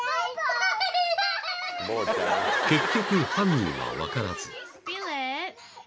［結局犯人は分からず］